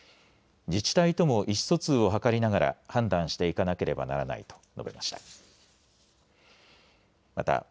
自治体とも意思疎通を図りながら判断していかなければならないと述べました。